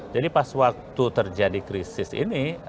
jadi pas waktu terjadi krisis ini